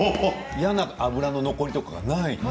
嫌な脂の残りとかがない。